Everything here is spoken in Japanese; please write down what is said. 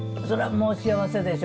もう、幸せでしょ。